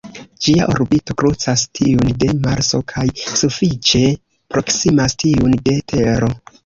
Ĝia orbito krucas tiun de Marso kaj sufiĉe proksimas tiun de Tero.